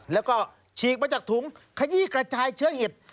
แล้วก็ฉีกมาจากถุงขยี้กระจายเชื้อเห็บ